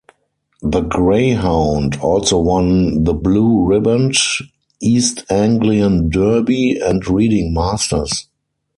The greyhound also won the Blue Riband, East Anglian Derby and Reading Masters.